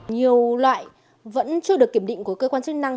nhiều loại vẫn chưa được kiểm định của cơ quan chức năng